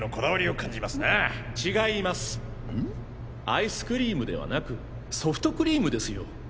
アイスクリームではなくソフトクリームですよ。